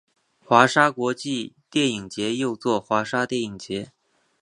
华沙国际电影节又作华沙电影节。